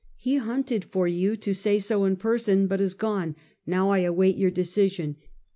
He hunted for you to say so in person, but is gone; now I await your decision.